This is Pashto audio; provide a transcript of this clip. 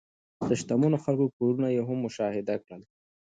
د شتمنو خلکو کورونه یې هم مشاهده کړل.